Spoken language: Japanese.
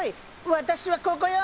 私はここよ！